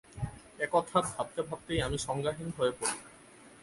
একথা ভাবতে ভাবতেই আমি সংজ্ঞাহীন হয়ে পড়ি।